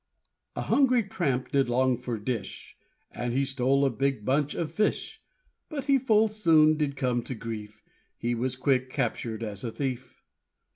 A hungry tramp did long for dish, And he stole a big bunch of fish, But he full soon did come to grief, He was quick captured as a thief.